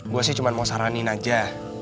gue sih cuma mau saranin aja